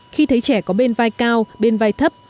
khi thấy trẻ có bên vai cao bên vai thấp